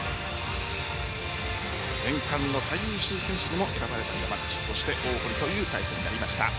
年間の最優秀選手にも選ばれた山口そして大堀という対戦になりました。